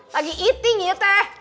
lagi eating ya teh